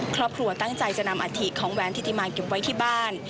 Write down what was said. ครอบครัวตั้งใจจะนำอาถิของแหวนธิติมาเก็บไว้ที่บ้าน